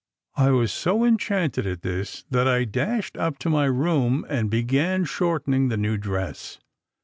I was so enchanted at this that I dashed up to my room and began shortening the new dress.